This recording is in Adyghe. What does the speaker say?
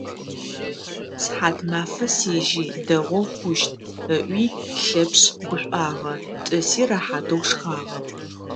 Сыхьатмафэ сежьи, дэгъоу хъущт, - ыӏуи Лъэпшъ гушӏуагъэ, тӏыси рэхьатэу шхагъэ.